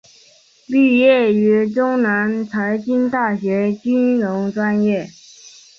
毕业于中南财经大学金融专业。